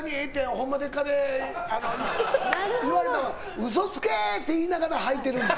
「ホンマでっか！？」で言われたから嘘つけ！って言いながら履いてる。